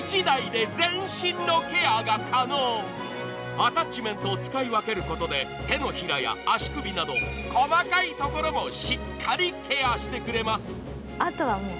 アタッチメントを使い分けることで細かいところもしっかりケアしてくれます。